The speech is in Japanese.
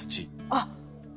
あっ！